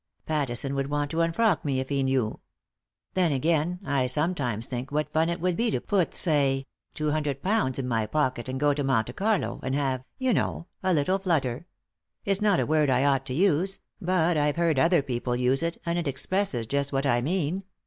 " Pattison would want to unfrock me if he knew. Then, again, I sometimes think what fun it would be to put, say, j£20o in my pocket, and go to Monte Carlo, and have— you know — a little flutter ; it's not a word I ought to use, but I've heard other people use it, and it expresses just what I mean.